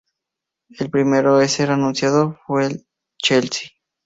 El primero en ser anunciado fue el Chelsea.